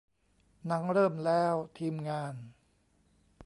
หนังเริ่มแล้ว ทีมงาน